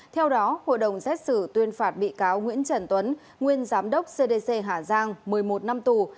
theo đó hội đồng xét xử tuyên phạt bị cáo nguyễn trần tuấn nguyên giám đốc cdc hà giang một mươi một năm tù